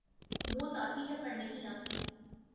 موت آتی ہے پر نہیں آتی